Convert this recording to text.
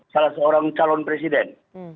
salah seorang calon presiden